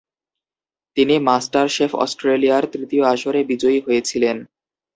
তিনি "master chef Australia" র তৃতীয় আসরে বিজয়ী হয়েছিলেন।